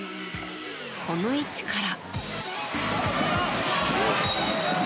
この位置から。